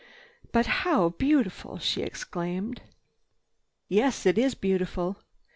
"But how beautiful!" she exclaimed. "Yes, it is beautiful."